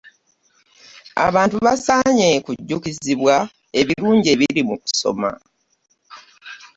Abantu basaanye kujjjukizibwa ebirungi ebiri mu kusoma.